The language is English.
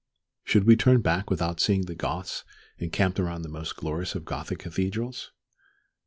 Should we turn back without seeing the Goths encamped around the most glorious of Gothic cathedrals?